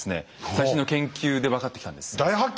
最新の研究で分かってきたんです。